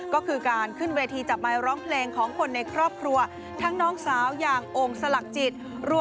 ก็คือการขึ้นเวทีจับไม้ร้องเพลงของคนในครอบครัว